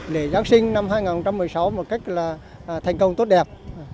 để giáng sinh năm hai nghìn một mươi sáu một cách là thành công tốt đẹp